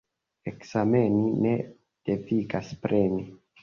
Ekzameni ne devigas preni.